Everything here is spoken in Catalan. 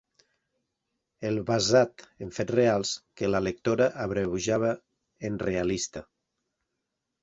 El “basat en fets reals” que la lectora abreujava en “realista”.